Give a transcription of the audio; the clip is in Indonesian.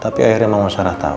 tapi akhirnya mama sarah tau